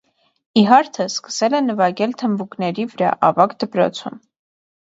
Իհարթը սկսել է նվագել թմբուկների վրա ավագ դպրոցում։